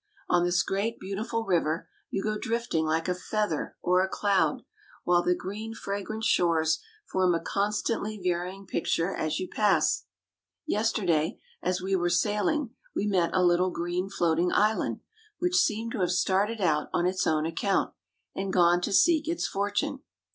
On this great, beautiful river you go drifting like a feather or a cloud; while the green, fragrant shores form a constantly varying picture as you pass. Yesterday, as we were sailing, we met a little green, floating island, which seemed to have started out on its own account, and gone to seek its fortune.